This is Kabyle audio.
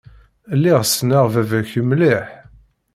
Lliɣ ssneɣ baba-k mliḥ.